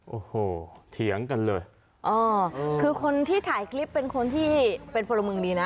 โอ้โหเถียงกันเลยอ๋อคือคนที่ถ่ายคลิปเป็นคนที่เป็นพลเมืองดีนะ